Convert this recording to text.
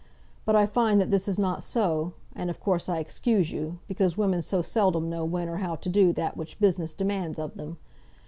But I find that this is not so; and of course I excuse you, because women so seldom know when or how to do that which business demands of them.